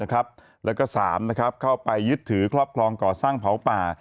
แล้วก็๓เข้าไปยึดถือครอบครองก่อสร้างเผาป่า